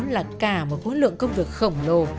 là cả một quân lượng công việc khổng lồ